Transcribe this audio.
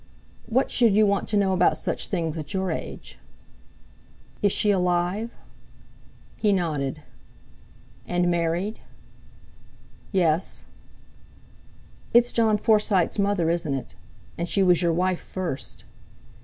"What should you want to know about such things, at your age?" "Is she alive?" He nodded. "And married?" "Yes." "It's Jon Forsyte's mother, isn't it? And she was your wife first."